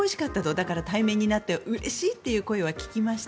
だから対面になってうれしいという声は聞きました。